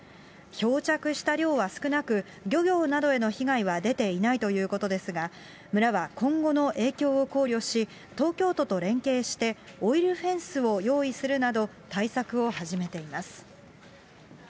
漂着した量は少なく、漁業などへの被害は出ていないということですが、村は今後の影響を考慮し、東京都と連携して、オイルフェンスを用意するなど、対策を始めています。